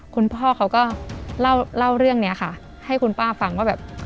คุณพ่อเขาก็เล่าเรื่องนี้ค่ะให้คุณป้าฟังว่าแบบ